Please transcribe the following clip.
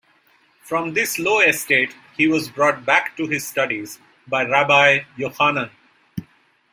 From this low estate he was brought back to his studies by Rabbi Yochanan.